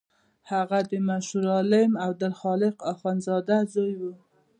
هغه د مشهور عالم عبدالخالق اخوندزاده زوی و.